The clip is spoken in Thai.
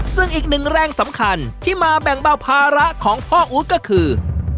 ซึ่งอีกหนึ่งแรงสำคัญที่มาแบ่งเบาภาระของพ่ออู๊ดก็คือ